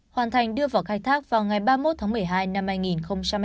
hoàn thành đưa vào khai thác vào ngày ba mươi một tháng một mươi hai năm hai nghìn hai mươi ba